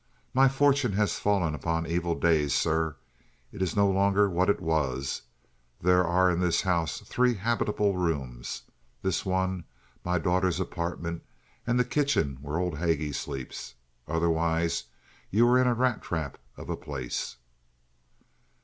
"My fortune has fallen upon evil days, sir. It is no longer what it was. There are in this house three habitable rooms; this one; my daughter's apartment; the kitchen where old Haggie sleeps. Otherwise you are in a rat trap of a place."